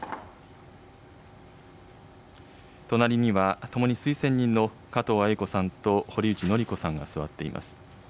隣には、ともに推薦人の加藤鮎子さんと堀内詔子さんが座っています。